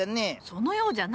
そのようじゃな。